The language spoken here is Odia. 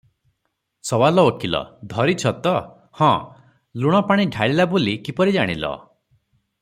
ସୱାଲ ଓକୀଲ - ଧରିଛ ତ, ହଁ - ଲୁଣପାଣି ଢାଳିଲା ବୋଲି କିପରି ଜାଣିଲ?